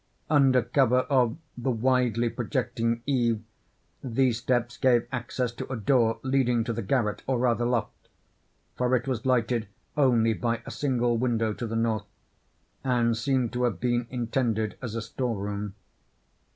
Under cover of the widely projecting eave these steps gave access to a door leading to the garret, or rather loft—for it was lighted only by a single window to the north, and seemed to have been intended as a store room.